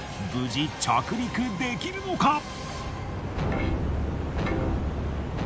無事着陸できるのか！？